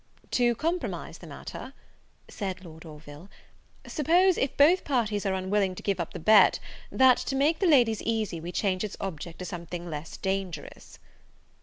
"To compromise the matter," said Lord Orville, "suppose, if both parties are unwilling to give up the bet, that, to make the ladies easy, we change its object to something less dangerous?"